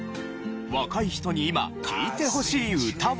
若い人に今聴いてほしい歌は？